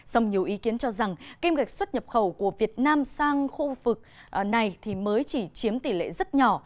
song nhiều ý kiến cho rằng kim ngạch xuất nhập khẩu của việt nam sang khu vực này thì mới chỉ chiếm tỷ lệ rất nhỏ